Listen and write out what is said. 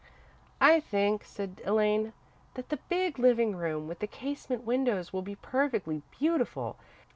"I think," said Elaine, "that the big living room with the casement windows will be perfectly beautiful.